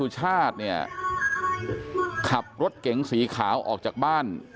จากนั้น